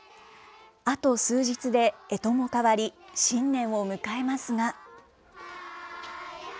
あと数日でえともかわり、新年を迎えますが。